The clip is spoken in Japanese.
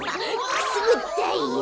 くすぐったいよ。